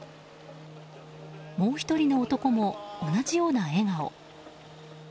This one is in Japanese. もう１人の男も、同じような笑顔。